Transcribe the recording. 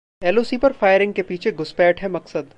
LoC पर firing के पीछे घुसपैठ है मकसद